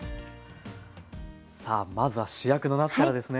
さあまずは主役のなすからですね。